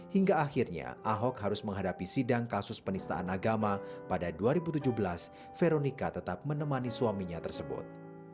hingga akhirnya ahok harus menghadapi sidang kasus penistaan agama pada dua ribu tujuh belas veronica tetap menemani suaminya tersebut